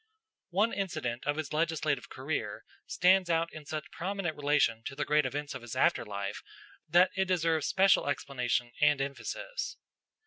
One incident of his legislative career stands out in such prominent relation to the great events of his after life that it deserves special explanation and emphasis.